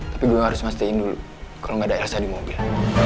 tapi gue harus mastiin dulu kalau gak ada elsa di mobil